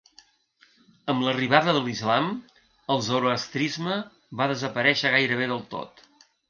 Amb l'arribada de l'islam, el zoroastrisme va desaparèixer gairebé del tot.